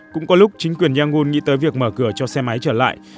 cũng có lúc chính quyền yanggun nghĩ tới việc mở cửa cho xe máy trở lại